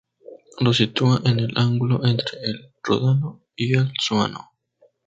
Los sitúa en el ángulo entre el Ródano y el Saona.